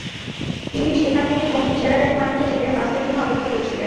তিনি সেখান থেকে টঙ্গীর চেরাগ আলী মার্কেটে যেতে বাসের জন্য অপেক্ষা করছিলেন।